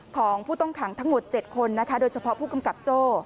ของผู้ต้องขังทั้งหมด๗คนนะคะโดยเฉพาะผู้กำกับโจ้